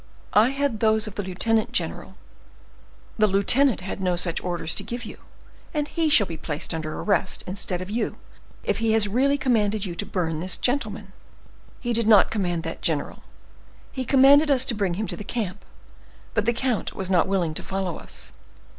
"I had those of the lieutenant, general." "The lieutenant had no such orders to give you, and he shall be placed under arrest, instead of you, if he has really commanded you to burn this gentleman." "He did not command that, general; he commanded us to bring him to the camp; but the count was not willing to follow us."